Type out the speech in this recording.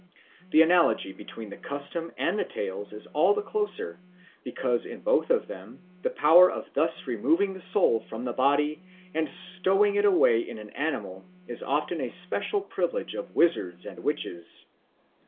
The analogy between the custom and the tales is all the closer because in both of them the power of thus removing the soul from the body and stowing it away in an animal is often a special privilege of wizards and witches.